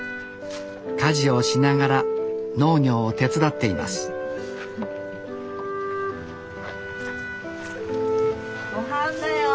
家事をしながら農業を手伝っていますごはんだよ。